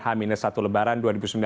h satu lebaran dua ribu sembilan belas